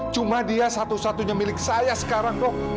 cuma dia satu satunya milik saya sekarang kok